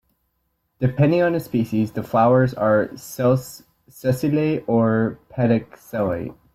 Depending on the species, the flowers are sessile or pedicellate.